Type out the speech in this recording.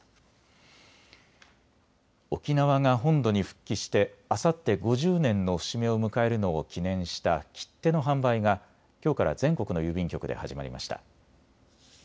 沖縄が本土に復帰してあさって５０年の節目を迎えるのを記念した切手の販売がきょうから全国の郵便局で始まりました。